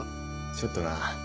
ちょっとな。